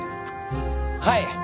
はい。